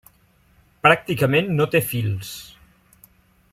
Pràcticament no té fils.